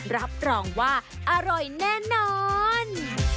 รับรองว่าอร่อยแน่นอน